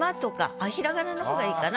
あっひらがなの方が良いかな。